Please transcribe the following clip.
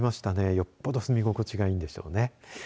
よっぽど住み心地がいいんでしょうね。